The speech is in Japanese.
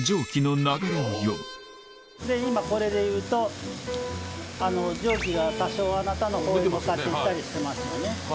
で今これでいうと蒸気が多少あなたのほうに向かって行ったりしてますよね。